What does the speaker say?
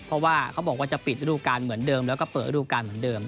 เพราะว่าเขาบอกว่าจะปิดฤดูการเหมือนเดิมแล้วก็เปิดรูปการณ์เหมือนเดิม